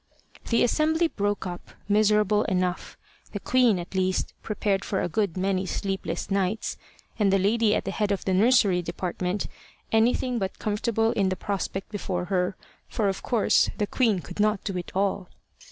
The assembly broke up, miserable enough the queen, at least, prepared for a good many sleepless nights, and the lady at the head of the nursery department anything but comfortable in the prospect before her, for of course the queen could not do it all.